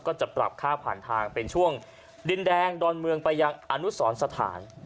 ก็จะปรับค่าผ่านทางเป็นช่วงดินแดงดอนเมืองไปยังอนุสรสถาน